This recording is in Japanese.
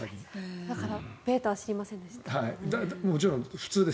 だから、ベータは知りませんでした。